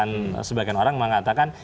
dan sebagian orang mengatakan